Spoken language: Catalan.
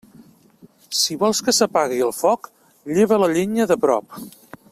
Si vols que s'apague el foc, lleva la llenya de prop.